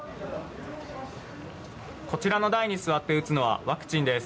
こちらの台に座って打つのはワクチンです。